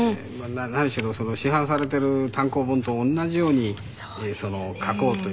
何しろ市販されている単行本と同じように描こうというのが。